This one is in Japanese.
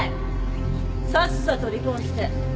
さっさと離婚して